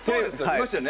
いましたよね。